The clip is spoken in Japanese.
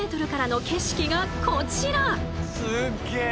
すっげえ！